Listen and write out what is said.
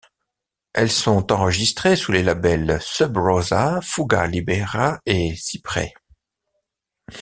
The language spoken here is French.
Elles sont enregistrées sous les labels Sub Rosa, Fuga Libera et Cyprès.